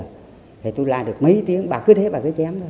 thì tôi la được mấy tiếng bà cứ thế bà cứ chém thôi